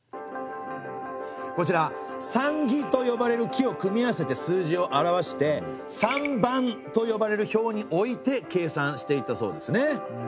こちら算木と呼ばれる木を組み合わせて数字を表して算盤と呼ばれる表に置いて計算していたそうですね。